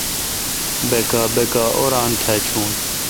بکا بکا اوران تھا چون